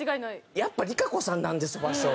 やっぱＲＩＫＡＣＯさんなんですファッションは。